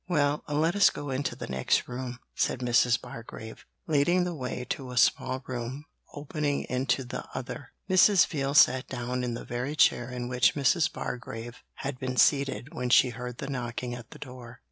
'Well, let us go into the next room,' said Mrs. Bargrave, leading the way to a small room opening into the other. Mrs. Veal sat down in the very chair in which Mrs. Bargrave had been seated when she heard the knocking at the door.